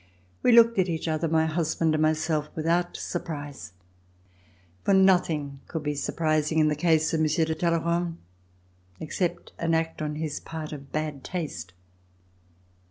We looked at each other, my husband and myself, without surprise, for nothing could be surprising in the case of Monsieur de Talleyrand except an act on his part of bad taste.